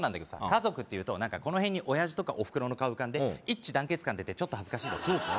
家族っていうと何かこの辺に親父とかお袋の顔浮かんで一致団結感出てちょっと恥ずかしいだろそうか？